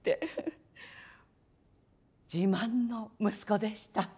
自慢の息子でした。